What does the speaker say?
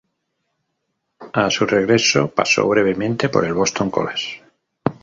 A su regreso pasó brevemente por el Boston College.